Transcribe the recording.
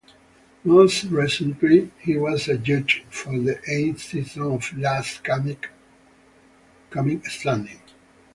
Most recently, he was a judge for the eighth season of "Last Comic Standing".